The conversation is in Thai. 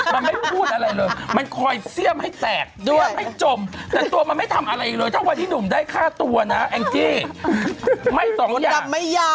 แล้วเปลี่ยนเสียงโทนเสียงนักกำลังจะ